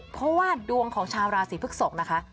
เพราะว่าดวงของชาวราศีพฤกษกนะคะ